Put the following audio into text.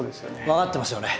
分かってますよね。